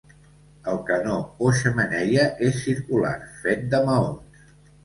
El Canó o xemeneia és circular, fet de maons.